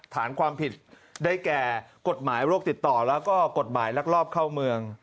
ฐานความผิดได้แก่กฎหมายโรคติดต่อแล้วก็กฎหมายลักลอบเข้าเมือง